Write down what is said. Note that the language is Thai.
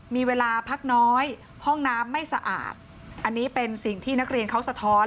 มีเวลาพักน้อยห้องน้ำไม่สะอาดอันนี้เป็นสิ่งที่นักเรียนเขาสะท้อน